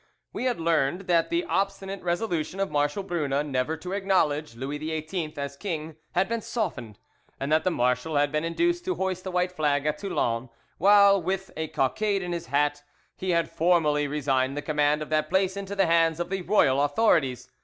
We had learned that the obstinate resolution of Marshal Brune never to acknowledge Louis XVIII as king had been softened, and that the marshal had been induced to hoist the white flag at Toulon, while with a cockade in his hat he had formally resigned the command of that place into the hands of the royal authorities.